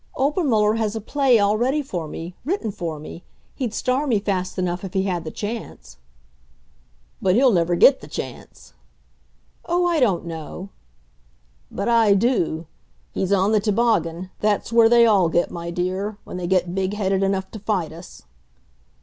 "Obermuller has a play all ready for me written for me. He'd star me fast enough if he had the chance." "But he'll never get the chance." "Oh, I don't know." "But I do. He's on the toboggan; that's where they all get, my dear, when they get big headed enough to fight us."